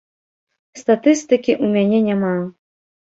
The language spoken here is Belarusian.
Статыстыкі ў мяне няма.